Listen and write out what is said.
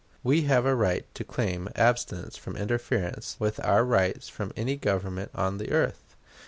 We have a right to claim abstinence from interference with our rights from any Government on the earth.